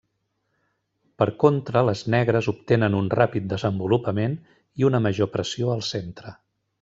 Per contra, les negres obtenen un ràpid desenvolupament i una major pressió al centre.